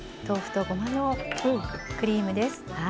豆腐とごまのクリームです。